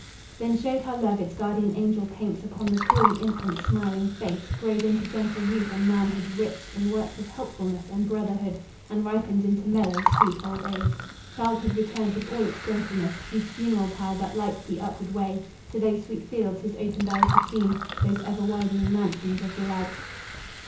Then showed how love its guardian angel paints Upon the cooing infant's smiling face, Grows into gentle youth, and manhood rich In works of helpfulness and brotherhood, And ripens into mellow, sweet old age, Childhood returned with all its gentleness, Whose funeral pile but lights the upward way To those sweet fields his opened eyes had seen, Those ever widening mansions of delight.